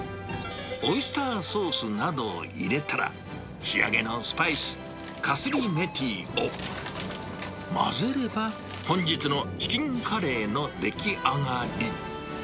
オイスターソースなどを入れたら、仕上げのスパイス、カスリメティを混ぜれば、本日のチキンカレーの出来上がり。